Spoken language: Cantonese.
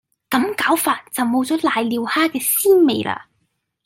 咁搞法就冇咗攋尿蝦嘅鮮味喇